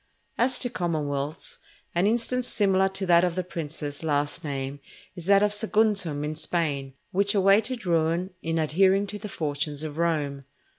As to commonwealths, an instance similar to that of the princes last named, is that of Saguntum in Spain, which awaited ruin in adhering to the fortunes of Rome.